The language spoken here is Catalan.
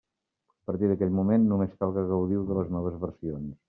A partir d'aquell moment, només cal que gaudiu de les noves versions.